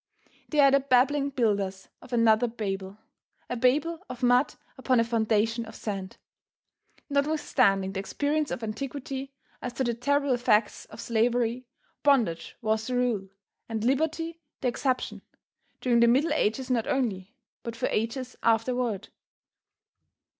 They are the babbling builders of another Babel, a Babel of mud upon a foundation of sand. Nothwithstanding the experience of antiquity as to the terrible effects of slavery, bondage was the rule, and liberty the exception, during the Middle Ages not only, but for ages afterward.